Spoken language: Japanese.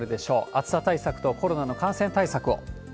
暑さ対策とコロナの感染対策を。